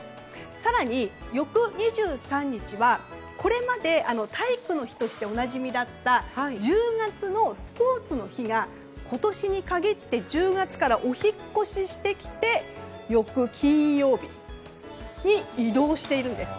更に翌２３日はこれまで体育の日としておなじみだった１０月のスポーツの日が今年に限って１０月からお引っ越ししてきて翌金曜日に移動しているんです。